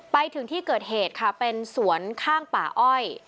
ไปถึงที่เกิดเหตุค่ะเป็นสวนข้างป่าอ้อย